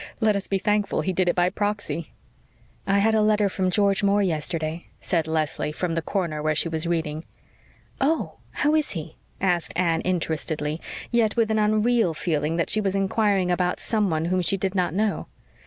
Let us be thankful he did it by proxy." "I had a letter from George Moore yesterday," said Leslie, from the corner where she was reading. "Oh, how is he?" asked Anne interestedly, yet with an unreal feeling that she was inquiring about some one whom she did not know.